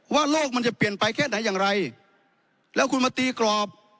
ว่าโลกมันจะเปลี่ยนไปแค่ไหนอย่างไรแล้วคุณมาตีกรอบ